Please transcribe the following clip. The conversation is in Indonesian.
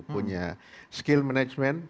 punya skill management